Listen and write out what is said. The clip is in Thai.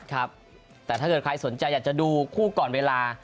ครับแต่ถ้าเกิดใครสนใจอยากจะดูคู่ก่อนเวลา